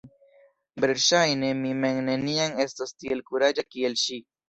Verŝajne mi mem neniam estos tiel kuraĝa kiel ŝi.